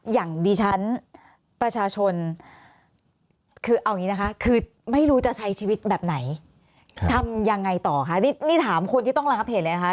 อย่างดิฉันประชาชนคือไม่รู้จะใช้ชีวิตแบบไหนทำยังไงต่อนี่ถามคนที่ต้องรับเห็นเลยนะคะ